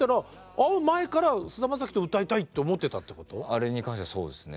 あれに関してはそうですね。